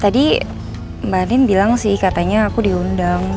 tadi mbak nin bilang sih katanya aku diundang